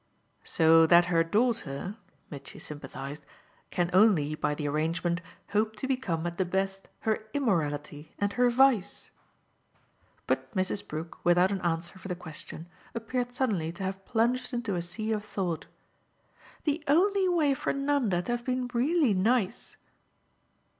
"So that her daughter," Mitchy sympathised, "can only, by the arrangement, hope to become at the best her immorality and her vice?" But Mrs. Brook, without an answer for the question, appeared suddenly to have plunged into a sea of thought. "The only way for Nanda to have been REALLY nice